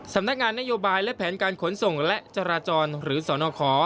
สำนักงานนโยบายและแผนการขนส่งและจราจรหรือสนขอ